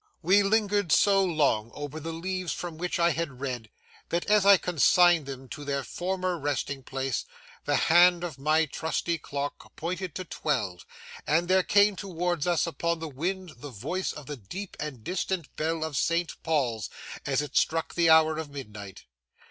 We lingered so long over the leaves from which I had read, that as I consigned them to their former resting place, the hand of my trusty clock pointed to twelve, and there came towards us upon the wind the voice of the deep and distant bell of St. Paul's as it struck the hour of midnight.